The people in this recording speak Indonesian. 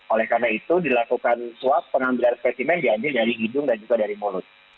oleh karena itu dilakukan swab pengambilan spesimen diambil dari hidung dan juga dari mulut